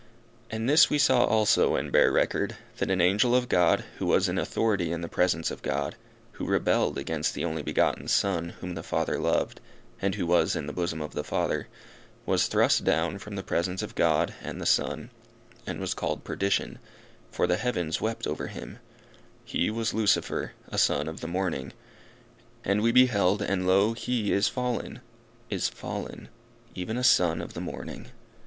And this we saw also, and bear record, that an angel of God who was in authority in the presence of God, who rebelled against the only begotten Son, whom the Father loved, and who was in the bosom of the Father, was thrust down from the presence of God and the Son, and was called Perdition, for the heavens wept over him he was Lucifer, a son of the morning. And we beheld, and lo, he is fallen! is fallen! even a son of the morning.